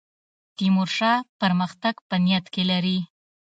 تیمورشاه پرمختګ په نیت کې لري.